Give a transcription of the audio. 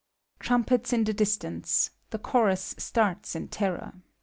( Trumpets in the distance : the Chorus starts in terror.